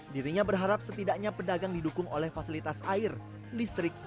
dirinya berharap setidaknya pedagang didukung oleh fasilitas air listrik